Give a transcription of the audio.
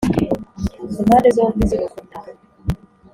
Impande zombi z urukuta